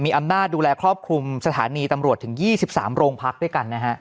อำนาจดูแลครอบคลุมสถานีตำรวจถึง๒๓โรงพักด้วยกันนะฮะ